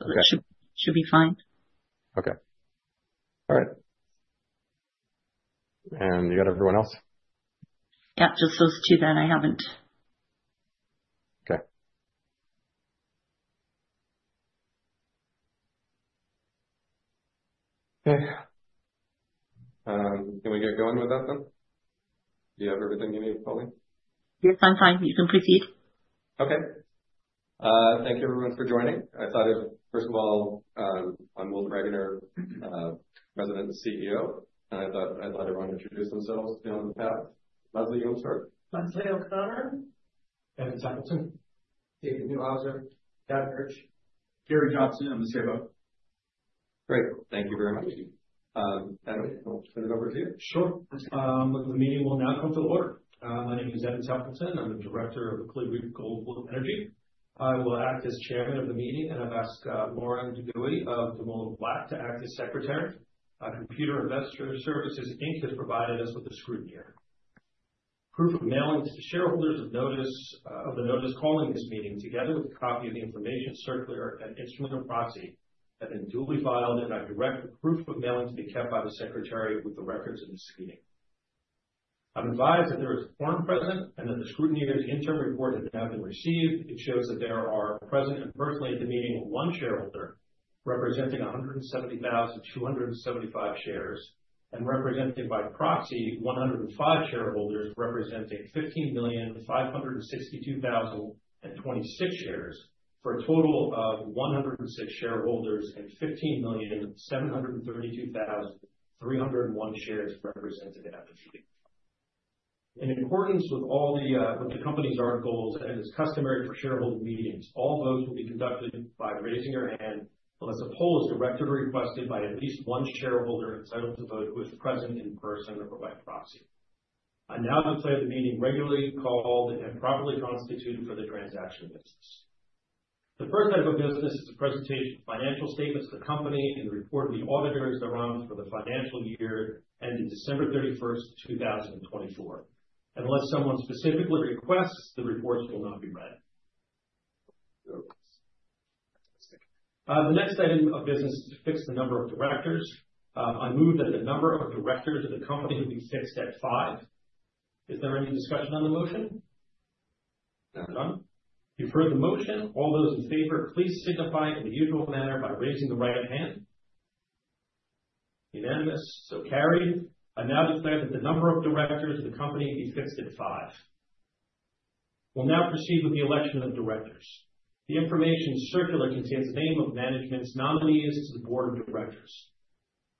Okay. Thank you everyone for joining. I'm Wolf Regener, President and CEO, and I thought I'd let everyone introduce themselves down the path. Leslie, you want to start? Leslie O'Connor. Evan Templeton. David Neuhauser. Douglas Urch. Gary Johnson. I'm the CFO. Great. Thank you very much. Evan, I'll turn it over to you. Sure. The meeting will now come to order. My name is Evan Templeton. I'm the director of Kolibri Global Energy Inc. I will act as chairman of the meeting, and I've asked Lauren DeGoey of DuMoulin Black to act as secretary. Computershare Investor Services Inc. has provided us with a scrutineer. Proof of mailing to shareholders of the notice calling this meeting, together with a copy of the Information Circular and instrument of proxy, have been duly filed, and I direct the proof of mailing to be kept by the secretary with the records of this meeting. I'm advised that there is a quorum present and that the scrutineer's interim report has now been received. It shows that there are present and personally at the meeting one shareholder representing 170,275 shares, and represented by proxy 105 shareholders representing 15,562,026 shares, for a total of 106 shareholders and 15,732,301 shares represented at this meeting. In accordance with the company's articles, and as customary for shareholder meetings, all votes will be conducted by raising your hand unless a poll is directed or requested by at least one shareholder entitled to vote who is present in person or by proxy. I now declare the meeting regularly called and properly constituted for the transaction of business. The first item of business is the presentation of financial statements of the company and the report of the auditors thereon for the financial year ending December 31st, 2024. Unless someone specifically requests, the reports will not be read. Fantastic. The next item of business is to fix the number of directors. I move that the number of directors of the company be fixed at five. Is there any discussion on the motion? None. You've heard the motion. All those in favor, please signify in the usual manner by raising the right hand. Unanimous, so carried. I now declare that the number of directors of the company be fixed at five. We'll now proceed with the election of directors. The Information Circular contains the names of management's nominees to the board of directors.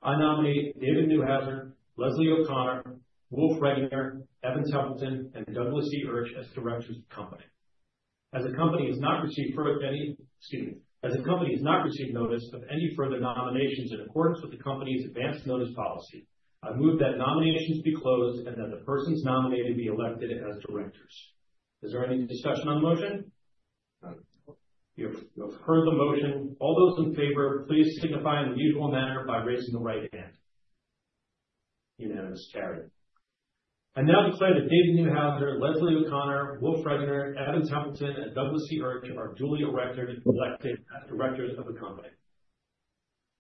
I nominate David Neuhauser, Leslie O'Connor, Wolf Regener, Evan Templeton, and Douglas C. Urch as directors of the company. As the company has not received notice of any further nominations in accordance with the company's advance notice policy, I move that nominations be closed and that the persons nominated be elected as directors. Is there any discussion on the motion? None. You have heard the motion. All those in favor, please signify in the usual manner by raising the right hand. Unanimous, carried. I now declare that David Neuhauser, Leslie O'Connor, Wolf Regener, Evan Templeton, and Douglas C. Urch are duly elected as directors of the company.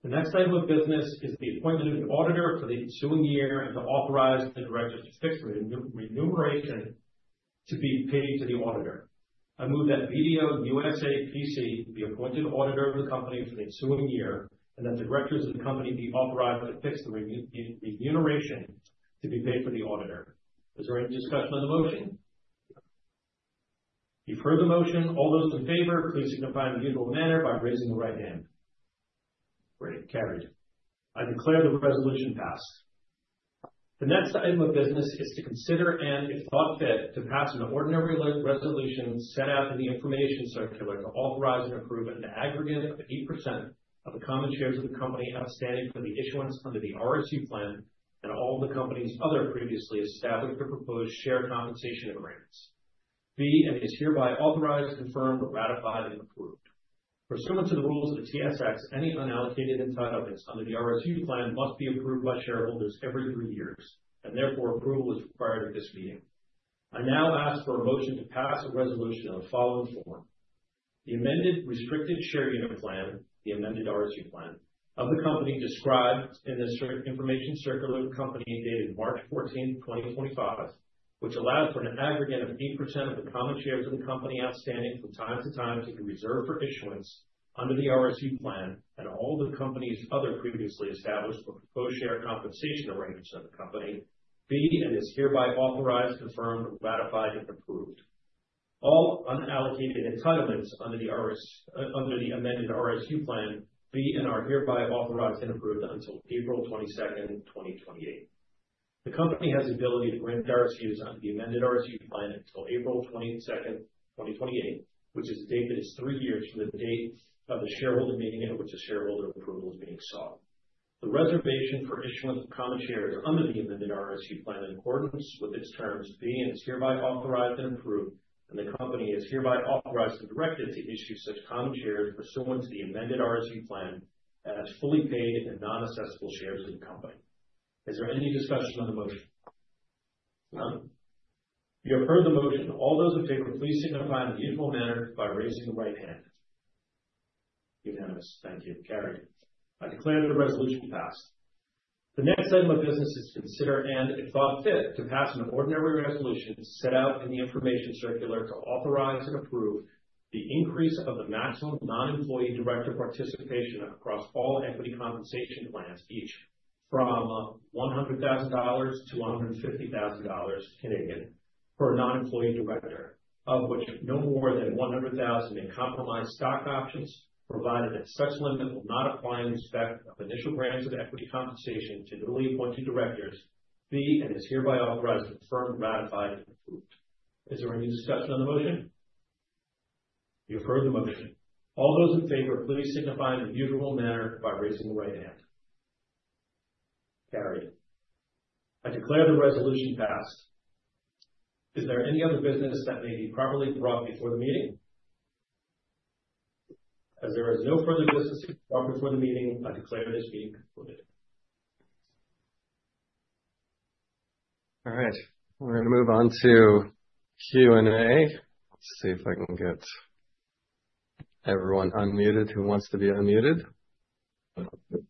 The next item of business is the appointment of the auditor for the ensuing year and to authorize the directors to fix the remuneration to be paid to the auditor. I move that BDO USA, P.C. be appointed auditor of the company for the ensuing year, and that the directors of the company be authorized to fix the remuneration to be paid for the auditor. Is there any discussion on the motion? You've heard the motion. All those in favor, please signify in the usual manner by raising the right hand. Great, carried. I declare the resolution passed. The next item of business is to consider, and if thought fit, to pass an ordinary resolution set out in the Information Circular to authorize and approve an aggregate of 8% of the common shares of the company outstanding for the issuance under the RSU Plan and all the company's other previously established or proposed share compensation arrangements, be and is hereby authorized, confirmed, ratified, and approved. Pursuant to the rules of the TSX, any unallocated entitlements under the RSU Plan must be approved by shareholders every three years, and therefore approval is required at this meeting. I now ask for a motion to pass a resolution of the following form. The amended Restricted Share Unit Plan, the amended RSU Plan, of the company described in this Information Circular of the company dated March 14, 2025, which allows for an aggregate of 8% of the common shares of the company outstanding from time to time to be reserved for issuance under the RSU Plan and all the company's other previously established or proposed share compensation arrangements of the company, be and is hereby authorized, confirmed, ratified, and approved. All unallocated entitlements under the amended RSU Plan be and are hereby authorized and approved until April 22nd, 2028. The company has the ability to grant RSUs under the amended RSU Plan until April 22nd, 2028, which is the date that is three years from the date of the shareholder meeting at which the shareholder approval is being sought. The reservation for issuance of common shares under the amended RSU Plan in accordance with its terms be and is hereby authorized and approved, and the company is hereby authorized and directed to issue such common shares pursuant to the amended RSU Plan as fully paid and non-assessable shares of the company. Is there any discussion on the motion? None. You have heard the motion. All those in favor, please signify in the usual manner by raising the right hand. Unanimous. Thank you. Carried. I declare the resolution passed. The next item of business is to consider, and if thought fit, to pass an ordinary resolution as set out in the Information Circular to authorize and approve the increase of the maximum non-employee director participation across all equity compensation plans, each from 100,000-150,000 dollars Canadian for a non-employee director, of which no more than 100,000 in comprised stock options, provided that such limit will not apply in respect of initial grants of equity compensation to newly appointed directors be and is hereby authorized, confirmed, ratified, and approved. Is there any discussion on the motion? You have heard the motion. All those in favor, please signify in the usual manner by raising the right hand. Carried. I declare the resolution passed. Is there any other business that may be properly brought before the meeting? As there is no further business to conduct before the meeting, I declare this meeting concluded. All right. We're going to move on to Q&A. Let's see if I can get everyone unmuted, who wants to be unmuted. Okay,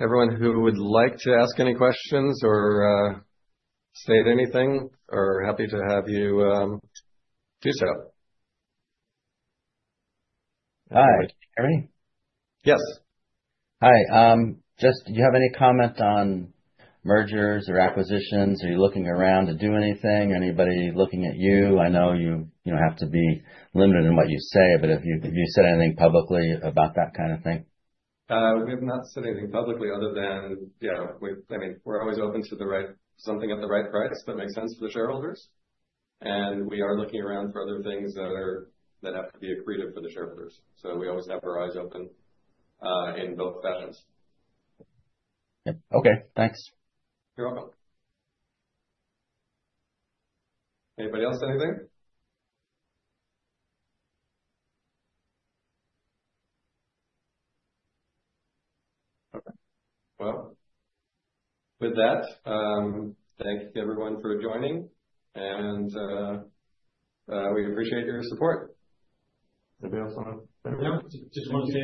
everyone who would like to ask any questions or say anything, we're happy to have you do so. Hi, can you hear me? Yes. Hi. Do you have any comment on mergers or acquisitions? Are you looking around to do anything? Anybody looking at you? I know you have to be limited in what you say, but have you said anything publicly about that kind of thing? We have not said anything publicly other than we're always open to something at the right price that makes sense for the shareholders. We are looking around for other things that have to be accretive for the shareholders. We always have our eyes open in both fashions. Okay, thanks. You're welcome. Anybody else have anything? Okay. Well, with that, thanks everyone for joining and we appreciate your support. Anybody else want to add anything? No. I just want to say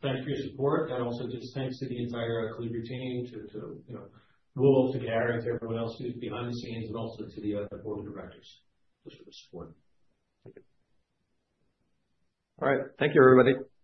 thank you for your support and also just thanks to the entire Kolibri team, to Wolf, to Gary, to everyone else who's behind the scenes, and also to the Board of Directors just for the support. Thank you. All right. Thank you, everybody.